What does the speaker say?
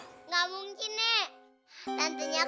gak mungkin nek